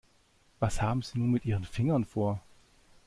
Was haben Sie nur mit Ihren Fingern vor?